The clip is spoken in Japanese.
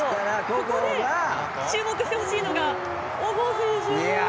ここで注目してほしいのが小郷選手もう。